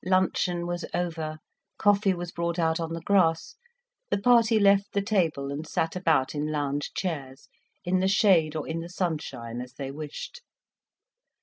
Luncheon was over, coffee was brought out on the grass, the party left the table and sat about in lounge chairs, in the shade or in the sunshine as they wished.